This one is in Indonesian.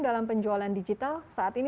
dalam penjualan digital saat ini